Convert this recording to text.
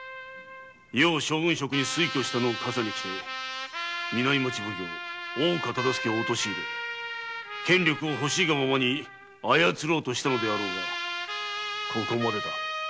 余を将軍職に推挙したのを笠に着て南町奉行・大岡忠相を陥れ権力を欲しいがままに操ろうとしたのであろうがここまでだ。